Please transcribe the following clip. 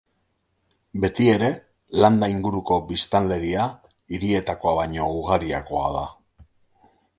Beti ere, landa inguruko biztanleria hirietakoa baino ugariagoa da.